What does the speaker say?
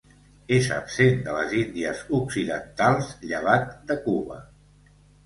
És absent de les Índies Occidentals, llevat de Cuba.